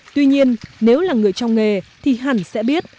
tuy nhiên nếu là người trong nghề thì hẳn sẽ biết